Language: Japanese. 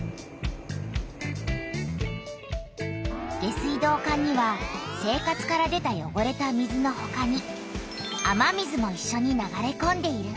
下水道管には生活から出たよごれた水のほかに雨水もいっしょに流れこんでいる。